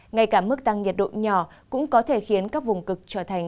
ngay cả mức tăng nhiệt độ nhỏ cũng có thể khiến các vùng cực trở thành